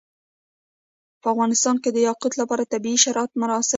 په افغانستان کې د یاقوت لپاره طبیعي شرایط مناسب دي.